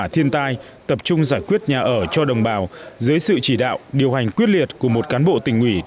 thì tôi đề nghị các đồng chí là phân công